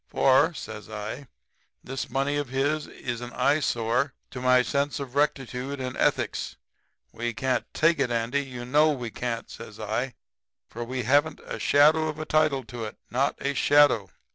For,' says I, 'this money of his is an eyesore to my sense of rectitude and ethics. We can't take it, Andy; you know we can't,' says I, 'for we haven't a shadow of a title to it not a shadow.